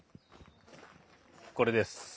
これです。